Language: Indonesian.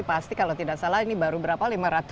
pasti kalau tidak salah ini baru berapa